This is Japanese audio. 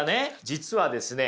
実はですね